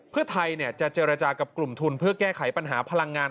เพื่อไทยจะเจรจากับกลุ่มทุนเพื่อแก้ไขปัญหาพลังงาน